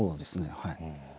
はい。